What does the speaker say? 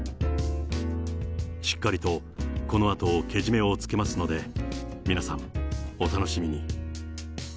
しっかりと、このあとけじめをつけますので、皆さん、お楽しみに。